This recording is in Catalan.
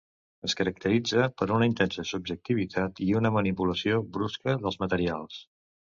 Es caracteritza per una intensa subjectivitat i una manipulació brusca dels materials.